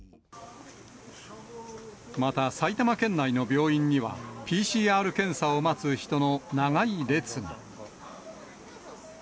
また、埼玉県内の病院には、ＰＣＲ検査を待つ人の長い列が。